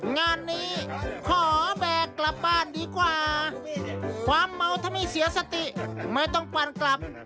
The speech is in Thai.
งานนี้ขอแบกกลับบ้านดีกว่าความเมาถ้าไม่เสียสติไม่ต้องปั่นกลับ